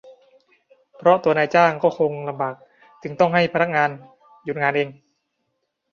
เพราะตัวนายจ้างก็คงลำบากถึงต้องให้พนักงานหยุดงานเอง